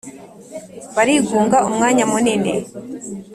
Barigunga umwanya munini